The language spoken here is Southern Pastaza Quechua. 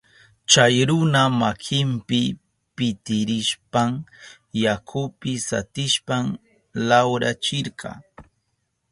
Chay runa makinpi pitirishpan yakupi satishpan lawrachirka.